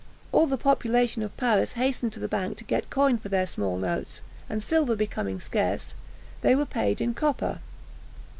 All the population of Paris hastened to the bank to get coin for their small notes; and silver becoming scarce, they were paid in copper.